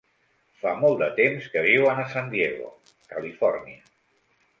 Fa molt de temps que viuen a San Diego, Califòrnia.